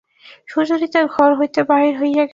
সুচরিতা ঘর হইতে বাহির হইয়া গেল।